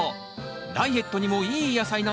ダイエットにもいい野菜なんですよね？